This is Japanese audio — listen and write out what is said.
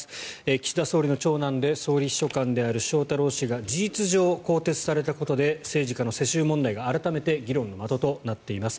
岸田総理の長男で総理秘書官である翔太郎氏が事実上更迭されたことで政治家の世襲問題が改めて議論の的となっています。